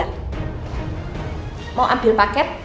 sampai jumpa di video selanjutnya